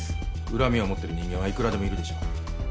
恨みを持ってる人間はいくらでもいるでしょう